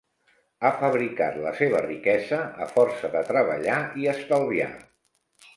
Ha fabricat la seva riquesa a força de treballar i estalviar.